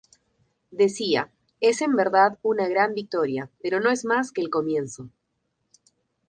Decía: "Es en verdad una gran victoria, pero no es más que el comienzo.